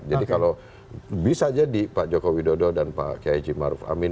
jadi kalau bisa jadi pak joko widodo dan pak kiai haji ma'ruf hamid